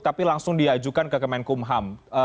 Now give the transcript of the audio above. tapi langsung diajukan ke kemenkumham